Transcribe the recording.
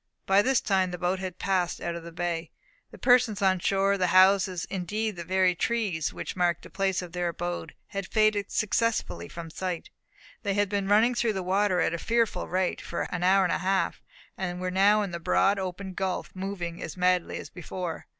By this time the boat had passed out of the bay. The persons on shore, the houses, indeed the very trees which marked the place of their abode, had faded successively from sight. They had been running through the water at a fearful rate, for an hour and a half, and were now in the broad open gulf, moving as madly as before.